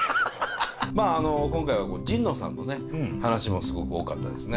まああの今回は神野さんのね話もすごく多かったですね。